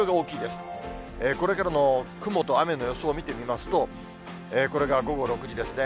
これからの雲と雨の予想を見てみますと、これが午後６時ですね。